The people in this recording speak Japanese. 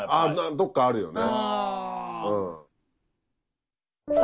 どっかあるよね。